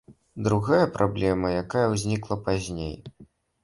Другая праблема, якая ўзнікла пазней.